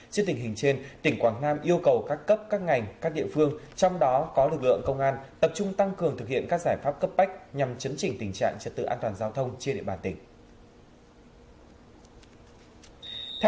trước tình hình trên tỉnh quảng nam yêu cầu các cấp các ngành các địa phương trong đó có lực lượng công an tập trung tăng cường thực hiện các giải pháp cấp bách nhằm chấn chỉnh tình trạng trật tự an toàn giao thông trên địa bàn tỉnh